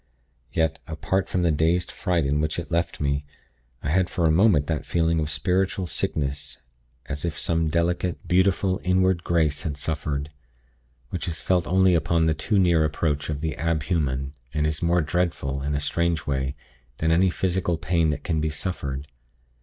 Yet, apart from the dazed fright in which it left me, I had for a moment that feeling of spiritual sickness, as if some delicate, beautiful, inward grace had suffered, which is felt only upon the too near approach of the ab human, and is more dreadful, in a strange way, than any physical pain that can be suffered.